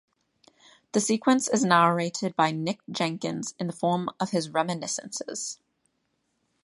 The sequence is narrated by Nick Jenkins in the form of his reminiscences.